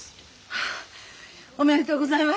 ああおめでとうございます！